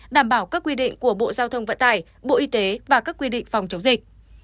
đảm bảo các quy định của bộ giao thông vận tải bộ y tế và các quy định phòng chống dịch